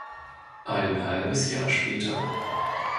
Ein halbes Jahr später.